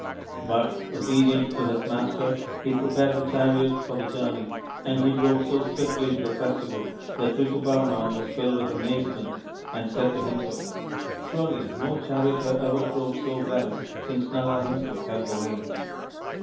But, obedient to his master, he prepared the chariot for the journey, and he drove so swiftly to the festival that Rituparna was filled with amazement and said to himself, " Surely no charioteer ever drove so well since Nala himself held the reins."